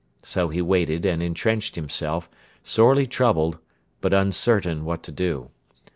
So he waited and entrenched himself, sorely troubled, but uncertain what to do.